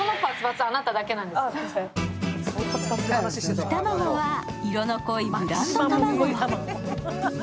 煮卵は色の濃いブランド卵を。